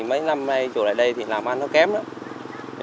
mấy năm nay chỗ lại đây thì làm ăn nó kém lắm